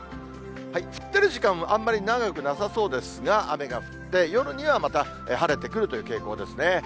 降ってる時間もあんまり長くなさそうですが、雨が降って、夜にはまた晴れてくるという傾向ですね。